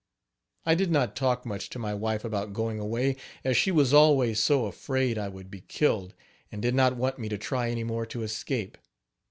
I did not talk much to my wife about going away, as she was always so afraid I would be killed, and did not want me to try any more to escape.